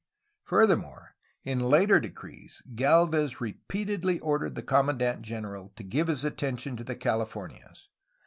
Furthermore, in later decrees, Gdlvez repeatedly ordered the commandant general to give his attention to the Cahfornias.